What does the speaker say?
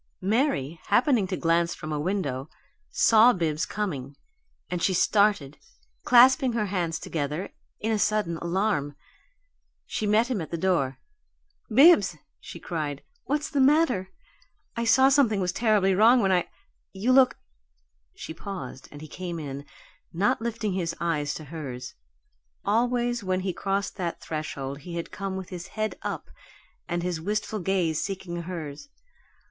Mary, happening to glance from a window, saw Bibbs coming, and she started, clasping her hands together in a sudden alarm. She met him at the door. "Bibbs!" she cried. "What is the matter? I saw something was terribly wrong when I You look " She paused, and he came in, not lifting his eyes to hers. Always when he crossed that threshold he had come with his head up and his wistful gaze seeking hers.